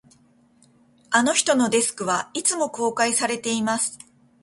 あの人のデスクは、いつも公開されています